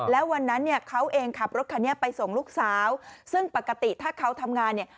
แล้ววันนั้นเนี่ยเขาเองขับรถคันนี้ไปส่งลูกสาวซึ่งปกติถ้าเขาทำงานเนี่ย